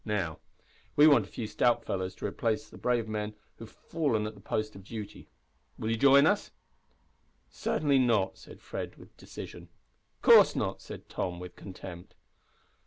Now, we want a few stout fellows to replace the brave men who have fallen at the post of duty. Will you join us?" "Certainly not," said Fred, with decision. "Of course not," said Tom, with contempt.